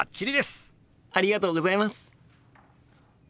ありがとうございます！